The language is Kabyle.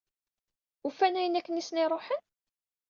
Ufan ayen akken i asen-iruḥen?